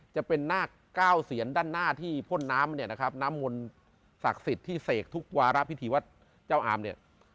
จะเป็นนาคเก้าเซียนด้านหน้าที่พ่นน้ำเนี่ยนะครับน้ำมนต์ศักดิ์สิทธิ์ที่เสกทุกวาระพิธีวัดเจ้าอามเนี่ย